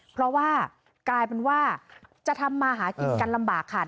เพราะว่ากลายเป็นว่าจะทำมาหากินกันลำบากค่ะ